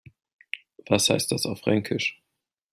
Was heißt das auf Fränkisch?